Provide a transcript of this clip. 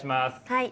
はい。